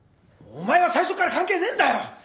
お前は最初から関係ねえんだよ！